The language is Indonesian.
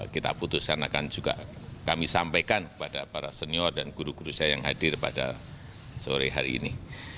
kita putuskan akan juga kami sampaikan kepada para senior dan guru guru saya yang hadir pada sore hari ini